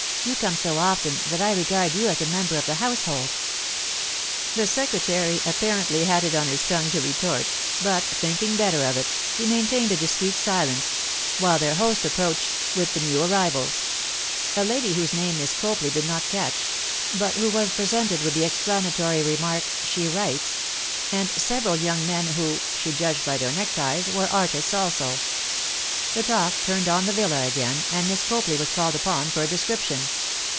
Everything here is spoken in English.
You come so often that I regard you as a member of the household.' The secretary apparently had it on his tongue to retort, but, thinking better of it, he maintained a discreet silence, while their host approached with the new arrivals—a lady whose name Miss Copley did not catch, but who was presented with the explanatory remark, 'she writes,' and several young men who, she judged by their neckties, were artists also. The talk turned on the villa again, and Miss Copley was called upon for a description.